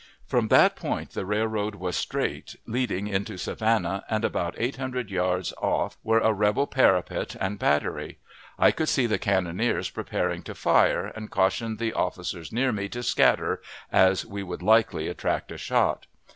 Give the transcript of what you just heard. From that point the railroad was straight, leading into Savannah, and about eight hundred yards off were a rebel parapet and battery. I could see the cannoneers preparing to fire, and cautioned the officers near me to scatter, as we would likely attract a shot.